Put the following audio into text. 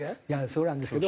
そうなんですけど。